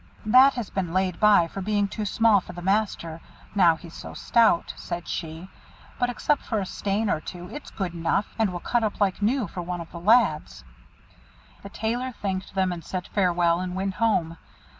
"That has been laid by for being too small for the master now he's so stout," she said; "but except for a stain or two it's good enough, and will cut up like new for one of the lads." The Tailor thanked them, and said farewell, and went home.